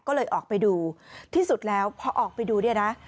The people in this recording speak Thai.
ก็เลยออกไปดูที่สุดแล้วพอออกไปดูเนี่ยนะ